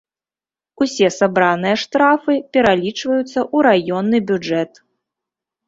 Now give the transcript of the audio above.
Усе сабраныя штрафы пералічваюцца ў раённы бюджэт.